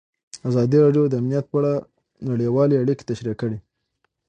ازادي راډیو د امنیت په اړه نړیوالې اړیکې تشریح کړي.